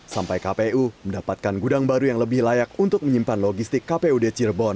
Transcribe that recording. sampai kpu mendapatkan gudang baru yang lebih layak untuk menyimpan logistik kpud cirebon